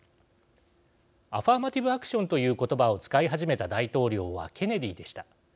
アファーマティブ・アクションという言葉を使い始めた大統領はケネディでした。